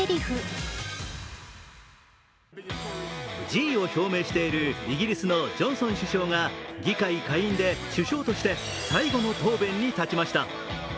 辞意を表明しているイギリスのジョンソン首相が、議会下院で首相として最後の答弁に立ちました。